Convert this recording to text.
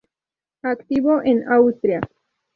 Activo en Austria.